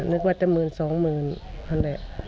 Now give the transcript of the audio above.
นึกว่าแต่มืนสองหมื่น